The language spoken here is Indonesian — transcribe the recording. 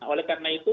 oleh karena itu